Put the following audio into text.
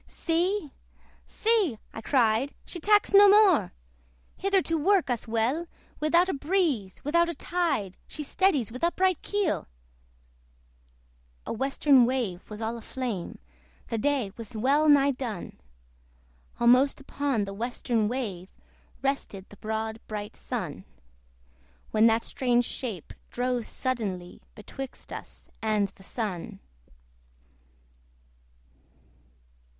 See! see! (I cried) she tacks no more! Hither to work us weal; Without a breeze, without a tide, She steadies with upright keel! The western wave was all a flame The day was well nigh done! Almost upon the western wave Rested the broad bright Sun; When that strange shape drove suddenly Betwixt us and the Sun.